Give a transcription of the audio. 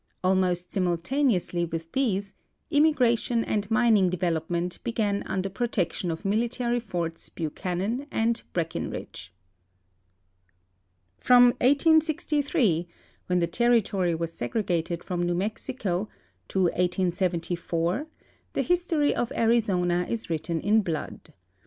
Almost simultaneously with these, immigration and mining development began under protection of military forts Buchanan and Breckinridge. From 1863, when the territory was segregated from New Mexico, to 1874, the history of Arizona is written in blood.